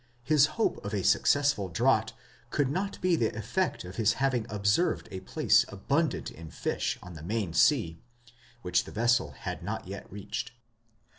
his hope of a successful draught could not be the effect of his having observed a place abundant in fish on the main sea, which the vessel had not yet reached.